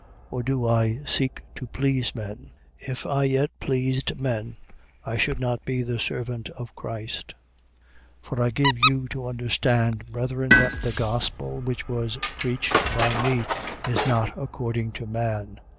Or do I seek to please men? If I yet pleased men, I should not be the servant of Christ. 1:11. For I give you to understand, brethren, that the gospel which was preached by me is not according to man.